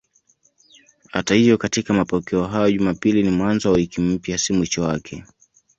Hata hivyo katika mapokeo hayo Jumapili ni mwanzo wa wiki mpya, si mwisho wake.